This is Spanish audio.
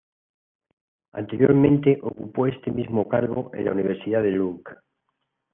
Anteriormente ocupó este mismo cargo en la Universidad de Lund.